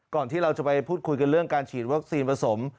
ที่เราจะไปพูดคุยกันเรื่องการฉีดวัคซีนผสม